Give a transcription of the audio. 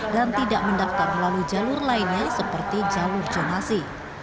dan tidak mendaftar melalui jalur lainnya seperti jalur jonasi